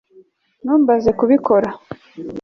ntumbaze kubikora